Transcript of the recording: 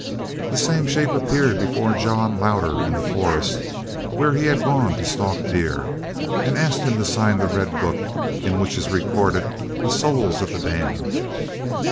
"The same shape appeared before John Louder in the forest, where he had gone to stalk deer, and asked him to sign the red book in which is recorded the souls of the damned."